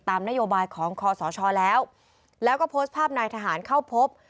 นโยบายของคอสชแล้วแล้วก็โพสต์ภาพนายทหารเข้าพบ